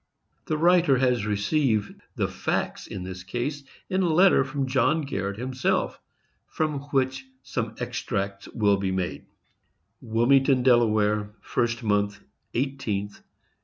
The writer has received the facts in this case in a letter from John Garret himself, from which some extracts will be made: { Wilmington, Delaware, { _1st month 18th, 1853.